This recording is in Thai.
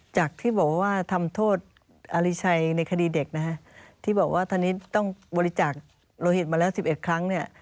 จากที่บอกว่าทำโทษอาริชัยในคดีเด็กนะฮะที่บอกว่าตอนนี้ต้องบริจาคโลหิตมาแล้ว๑๑ครั้งเนี่ย